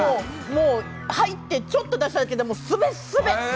もう入ってちょっと出ただけでもすべすべ！